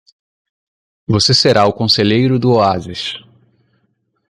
Você será o conselheiro do oásis.